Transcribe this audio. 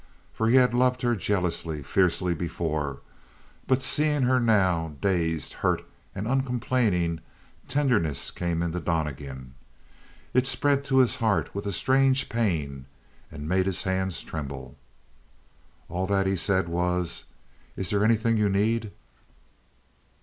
For he had loved her jealously, fiercely before; but seeing her now, dazed, hurt, and uncomplaining, tenderness came into Donnegan. It spread to his heart with a strange pain and made his hands tremble. All that he said was: "Is there anything you need?"